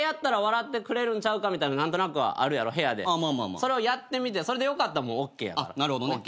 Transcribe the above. それをやってみてそれでよかったらＯＫやから。